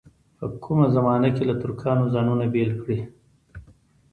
په کومه زمانه کې له ترکانو ځانونه بېل کړي.